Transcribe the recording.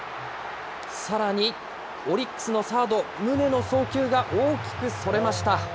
さらにオリックスのサード、宗の送球が大きくそれました。